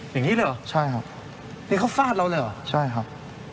อ๋ออย่างนี้เลยหรอนี่เขาฟาดเราเลยหรอใช่ครับ